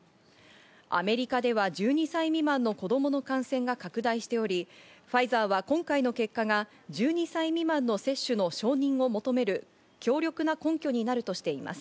アメリカでは１２歳未満の子供の感染が拡大しており、ファイザーは今回の結果が１２歳未満の接種の承認を求める強力な根拠になるとしています。